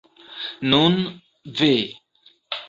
Nun, ve!